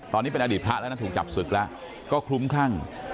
ตอนนี้เป็นอดีตพระแล้วนะถูกจับศึกแล้วก็คลุ้มคลั่ง